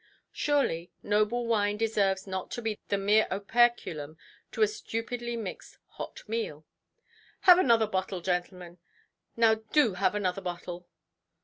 Surely, noble wine deserves not to be the mere operculum to a stupidly mixed hot meal. "Have another bottle, gentlemen; now do have another bottle".